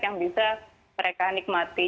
yang bisa mereka nikmati